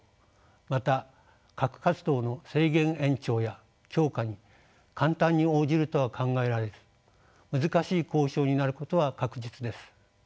また核活動の制限延長や強化に簡単に応じるとは考えられず難しい交渉になることは確実です。